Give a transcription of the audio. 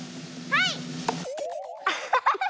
はい。